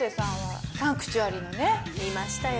見ましたよ